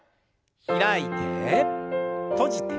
開いて閉じて。